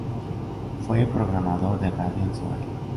Fue programador de radio en Sobral.